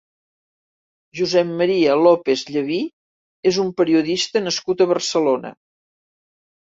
Josep Maria López Llaví és un periodista nascut a Barcelona.